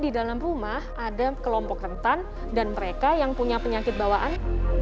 di dalam rumah ada kelompok rentan dan mereka yang punya penyakit bawaan